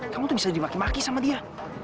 kamu tuh bisa dimaki maki sama dia